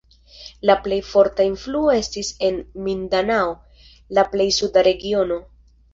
La plej forta influo estis en Mindanao, la plej suda regiono.